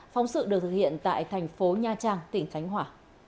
phóng sự được thực hiện tại thành phố nha trang tỉnh khánh hòa